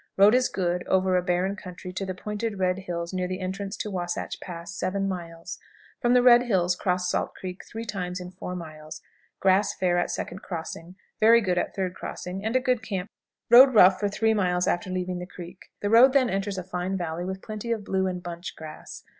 Road is good over a barren country to the pointed red hills near the entrance to Wasatch Pass, 7 miles. From the red hills cross Salt Creek 3 times in 4 miles; grass fair at 2d crossing; very good at 3d crossing, and a good camp. Road rough for 3 miles after leaving the creek. The road then enters a fine valley, with plenty of blue and bunch grass.